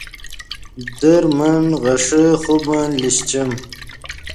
در من غیݰے خوبن لیشچیم